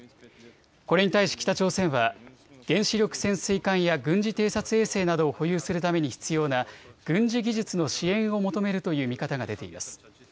これに対し北朝鮮は原子力潜水艦や軍事偵察衛星などを保有するために必要な軍事技術の支援を求めるという見方が出ています。